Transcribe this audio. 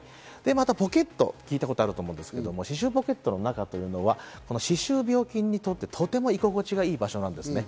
またポケット、聞いたことあると思いますけど、歯周ポケットの中というのは歯周病菌にとってとても居心地がいい場所なんですね。